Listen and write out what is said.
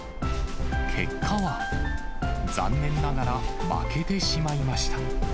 結果は、残念ながら負けてしまいました。